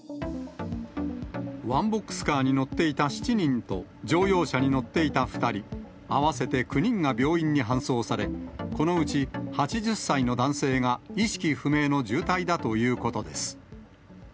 ワンボックスカーに乗っていた７人と、乗用車に乗っていた２人、合わせて９人が病院に搬送され、このうち８０歳の男性が意識不明の重体だということです。